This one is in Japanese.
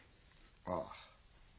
ああ。